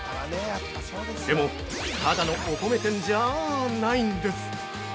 でも、ただのお米店じゃあないんです。